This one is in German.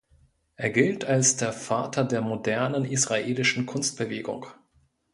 Er gilt als der Vater der modernen israelischen Kunstbewegung.